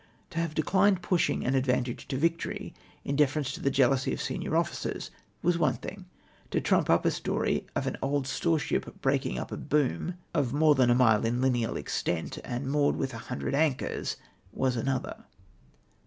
To have declined pushing an advantage to victory, in deference to the jealousy of senior officers, was one thing ; to trum}) up a story of an old storesliip breeding up (I boom of more than a mile in litieed extent^ anel mooreel with ei hanelred anchors, ivas another.